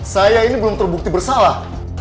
saya ini belum terbukti bersalah